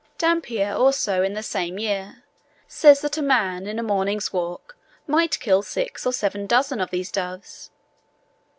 Dampier also, in the same year, says that a man in a morning's walk might kill six or seven dozen of these doves.